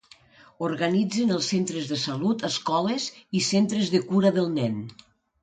Organitzen els centres de salut, escoles, i centres de cura del nen.